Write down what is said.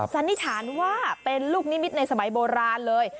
สันนิษฐานว่าเป็นลูกนิมิตในสมัยโบราณเลย